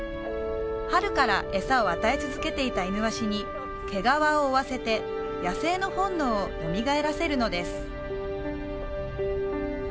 春からエサを与え続けていたイヌワシに毛皮を追わせて野生の本能をよみがえらせるのです